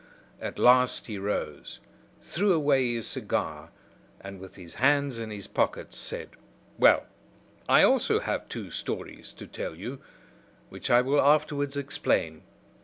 At last he rose, threw away his cigar, and with his hands in his pockets, said: "Well, I also have two stories to tell you, which I will afterwards explain.